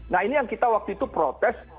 nah ini yang kita waktu itu protes